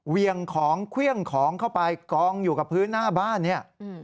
เวียงของเครื่องของเข้าไปกองอยู่กับพื้นหน้าบ้านเนี่ย